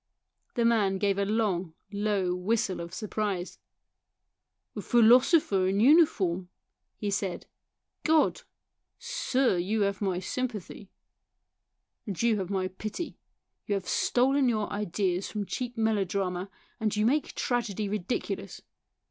The man gave a long, low whistle of surprise. " A philosopher in uniform," he said, " God ! sir, you have my sympathy." " And you have my pity. You have stolen your ideas from cheap melodrama, and you make tragedy ridiculous.